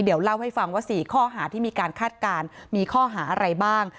เดี๋ยวเล่าให้ฟังว่า๔ข้อหาที่มีการคาดการณ์มีข้อหาอะไรบ้าง